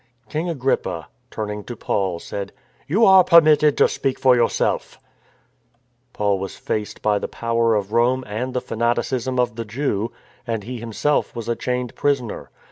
King Agrippa, turning to Paul, said: " You are permitted to speak for yourself," Paul was faced by the power of Rome and the fanaticism of the Jew; and he himself was a chained prisoner.